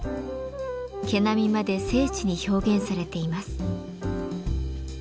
毛並みまで精緻に表現されています。